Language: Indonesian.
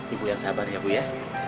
ibu yang sabar ya bu ya